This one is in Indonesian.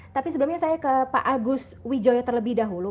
tapi sebelumnya saya ke pak agus wijoyo terlebih dahulu